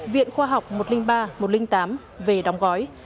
viện khoa học một trăm linh ba một trăm linh tám về đóng gói